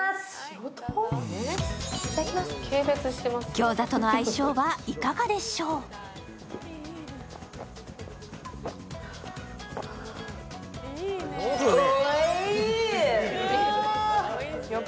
餃子との相性はいかがでしょうか？